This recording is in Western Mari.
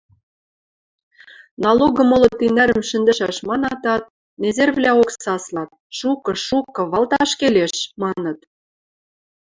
Налогым моло тинӓрӹм шӹндӹшӓш манатат, незервлӓок саслат: «Шукы, шукы, валташ келеш!» – маныт.